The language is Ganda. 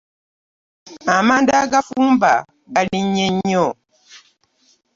Amanda agafumba galinnye nnyo.